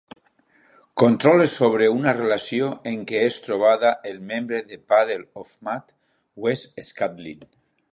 "Control" és sobre una relació en què es trobava el membre de Puddle of Mudd, Wes Scantlin.